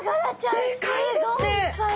でかいですね。